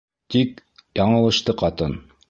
Тик... яңылышты ҡатын.